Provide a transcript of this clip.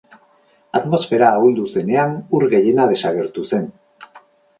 Atmosfera ahuldu zenean ur gehiena desagertu zen.